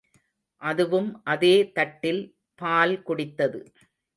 அதுவும் அதே தட்டில் பால் குடித்தது.